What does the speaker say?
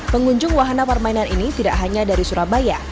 pengunjung wahana permainan ini tidak hanya dari surabaya